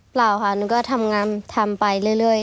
เปล่าค่ะหนูก็ทำงานทำไปเรื่อย